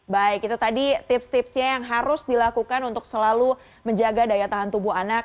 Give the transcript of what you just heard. baik itu tadi tips tipsnya yang harus dilakukan untuk selalu menjaga daya tahan tubuh anak